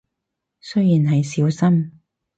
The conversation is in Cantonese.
雖然係少深